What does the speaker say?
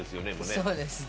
そうですね。